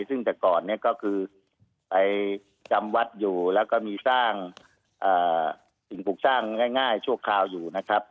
ซึ่งแต่ก่อนเนี่ยก็คือไปจำวัดอยู่แล้วก็มีสร้างสิ่งปลูกสร้างง่ายชั่วคราวอยู่นะครับ